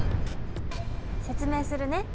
説明するね。